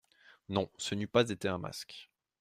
«Non, ce n’eût pas été un masque.